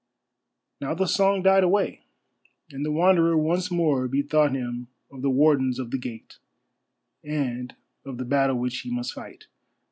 Now the song died away, and the Wanderer once more bethought him of the Wardens of the Gate and of the battle which he must fight.